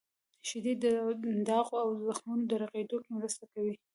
• شیدې د داغونو او زخمونو د رغیدو کې مرسته کوي.